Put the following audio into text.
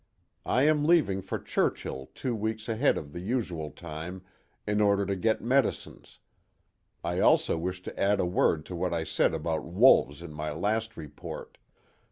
I am leaving for Churchill two weeks ahead of the usual time in order to get medicines. I also wish to add a word to what I said about wolves in my last report.